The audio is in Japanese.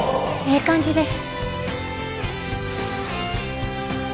ええ感じです。